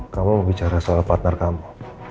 kamu mau bicara soal partner kamu